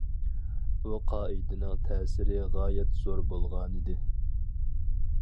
بۇ قائىدىنىڭ تەسىرى غايەت زور بولغانىدى.